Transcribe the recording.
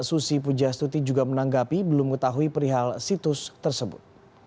susi pujastuti juga menanggapi belum mengetahui perihal situs tersebut